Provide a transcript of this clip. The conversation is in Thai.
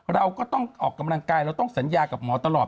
เราก็ต้องออกกำลังกายเราต้องสัญญากับหมอตลอด